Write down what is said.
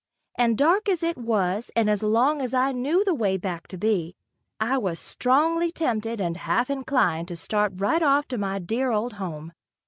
And dark as it was, and as long as I knew the way back to be, I was strongly tempted and half inclined to start right off to my dear old home.